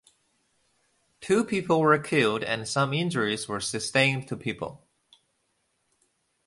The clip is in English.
Two people were killed and some injuries were sustained to people.